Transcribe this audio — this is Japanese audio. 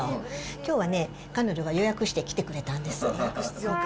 きょうはね、彼女が予約して来てくれたんです。